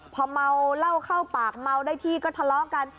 พอเมาเหล้าเข้าปากเมาได้ที่ก็ทะเลาะกัน